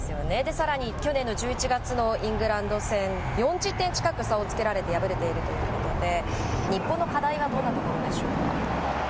さらに去年の１１月のイングランド戦、４０点近く差をつけられて敗れているということで、日本の課題はどんなところでしょうか。